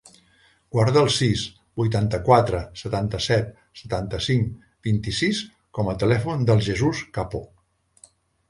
Guarda el sis, vuitanta-quatre, setanta-set, setanta-cinc, vint-i-sis com a telèfon del Jesús Capo.